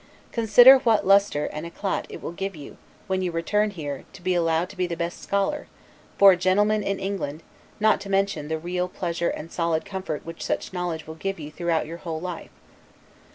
Consider what lustre and 'eclat' it will give you, when you return here, to be allowed to be the best scholar, for a gentleman, in England; not to mention the real pleasure and solid comfort which such knowledge will give you throughout your whole life.